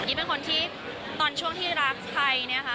กรีฟเป็นคนที่ตอนช่วงที่รักใครเนี่ยค่ะ